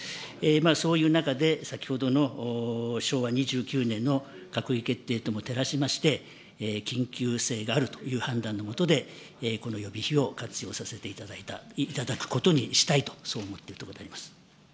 そういう中で、先ほどの昭和２９年の閣議決定ともてらしまして、緊急性があるという判断の下で、この予備費を活用させていただいた、いただくことにしたいと、そう思っているところであります。